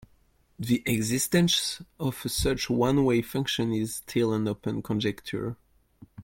The existence of such one-way functions is still an open conjecture.